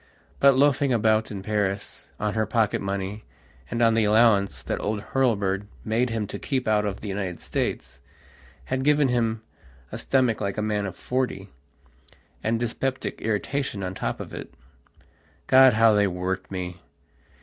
But, loafing about in Paris, on her pocket money and on the allowance that old Hurlbird made him to keep out of the United States, had given him a stomach like a man of forty, and dyspeptic irritation on top of it. God, how they worked me!